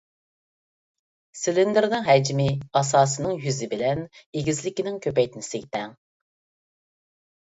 سىلىندىرنىڭ ھەجمى، ئاساسىنىڭ يۈزى بىلەن ئېگىزلىكىنىڭ كۆپەيتمىسىگە تەڭ.